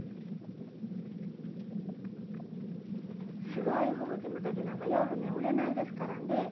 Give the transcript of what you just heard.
すごい吹雪の時なんか夜眠れないですからね。